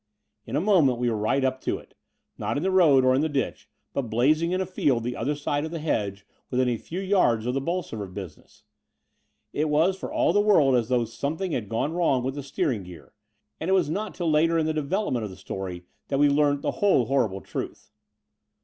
' In a moment we were right up to it — ^not in the road or in the ditch, but blazing in a field the other side of the hedge within a few yards of the Bolsover business. It was for all the world as though something had gone wrong with the steer ing gear; and it was not till later in the develop ment of the story that we learnt the whole horrible truth.